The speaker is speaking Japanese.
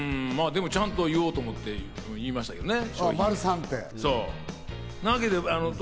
でもちゃんと言おうと思って言いましたけどね。